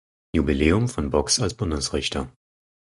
Jubiläum von Boggs als Bundesrichter.